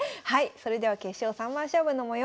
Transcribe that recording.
それでは決勝三番勝負の模様